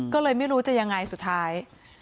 ก็เลยไม่รู้จะยังไงสุดท้าย